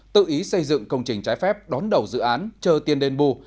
tự ý xây dựng công trình trái phép đón đầu dự án chờ tiền đền bù